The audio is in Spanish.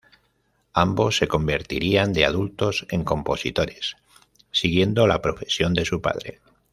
Ambos se convertirían de adultos en compositores, siguiendo la profesión de su padre.